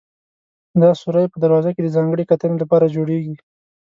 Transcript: دا سورى په دروازه کې د ځانګړې کتنې لپاره جوړېږي.